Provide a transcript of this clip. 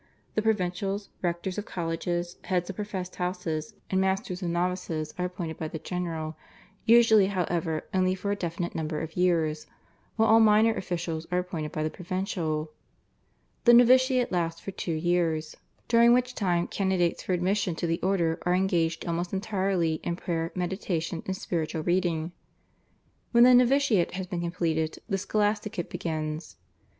The provincials, rectors of colleges, heads of professed houses, and masters of notices are appointed by the general, usually, however, only for a definite number of years, while all minor officials are appointed by the provincial. The novitiate lasts for two years during which time candidates for admission to the order are engaged almost entirely in prayer, meditation, and spiritual reading. When the novitiate has been completed the scholasticate begins.